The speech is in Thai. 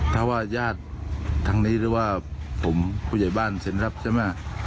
ถ้าว่าญาติทางนี้หรือว่าผมผู้ใหญ่บ้านเซ็นรับใช่ไหม